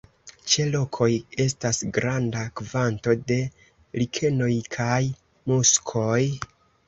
Ĉe rokoj estas granda kvanto de likenoj kaj muskoj.